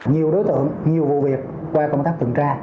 nhiều đối tượng nhiều vụ việc qua công tác tuần tra